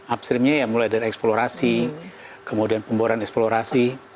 upstreamnya ya mulai dari eksplorasi kemudian pemboran eksplorasi